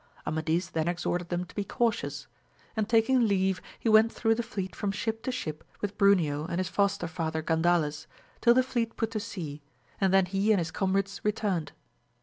Amadis then exhorted them to be cautious ; and taking leave, he went through the fleet from ship to ship with Bruneo and his foster father Gandales, till the fleet put to sea, and then he and his comrades returned.